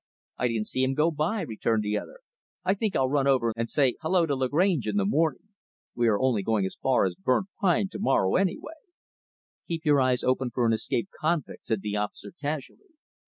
I didn't see him go by," returned the other. "I think I'll run over and say 'hello' to Lagrange in the morning. We are only going as far as Burnt Pine to morrow, anyway." "Keep your eyes open for an escaped convict," said the officer, casually.